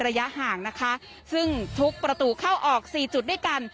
ระยะห่างนะคะซึ่งทุกประตูเข้าออกสี่จุดด้วยกัน